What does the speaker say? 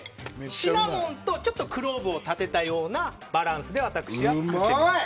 シナモンとクローブを立てたようなバランスで私は作ってみました。